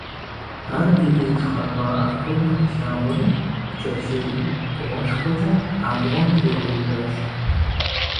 Ар ди деж къэкӀуа Артур къилъагъури пкӀэлъей бгъуэшхуэкӀэ абгъуэм дрихьеижащ.